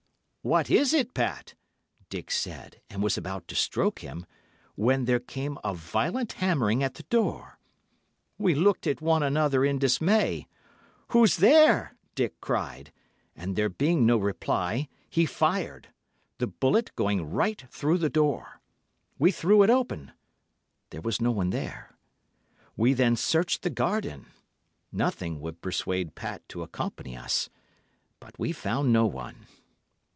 'What is it, Pat?' Dick said, and was about to stroke him, when there came a violent hammering at the door. We looked at one another in dismay. 'Who's there?' Dick cried, and, there being no reply, he fired—the bullet going right through the door. We threw it open—there was no one there. We then searched the garden (nothing would persuade Pat to accompany us), but we found no one.